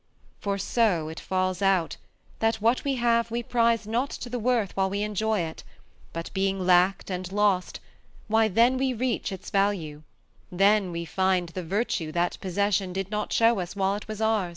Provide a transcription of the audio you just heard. ^" For it 80 fails oat, That wliat we liaye we prize not to tlie worth While we eiQojr it, but, being lack*d aad lert. Why, then we reach its valoe; then we find The virtue that possession did not show us While it was oun.